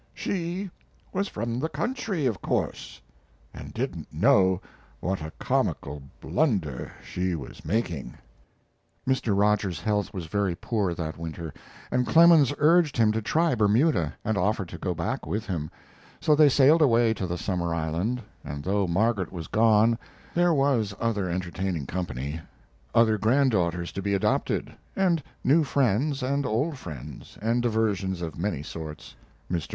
She was from the country, of course, and didn't know what a comical blunder. she was making. Mr. Rogers's health was very poor that winter, and Clemens urged him to try Bermuda, and offered to go back with him; so they sailed away to the summer island, and though Margaret was gone, there was other entertaining company other granddaughters to be adopted, and new friends and old friends, and diversions of many sorts. Mr.